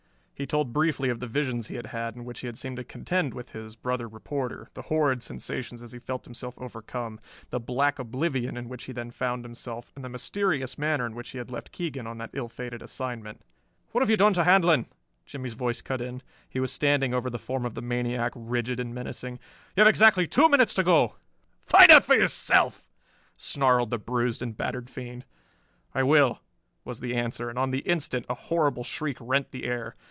He told briefly of the visions he had had in which he had seemed to contend with his brother reporter, the horrid sensations as he felt himself overcome, the black oblivion in which he then found himself, and the mysterious manner in which he had left Keegan on that ill fated assignment. "What have you done to Handlon?" Jimmie's voice cut in. He was standing over the form of the maniac, rigid and menacing. "You have exactly two minutes to go." "Find out for yourself!" snarled the bruised and battered fiend. "I will," was the answer, and on the instant a horrible shriek rent the air.